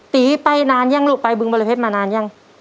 ตีไปนานยังลูกไปบึงบรเพชรมานานยัง